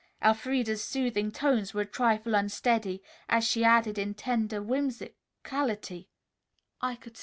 Elfreda's soothing tones were a trifle unsteady, as she added in tender whimsicality, "I could see."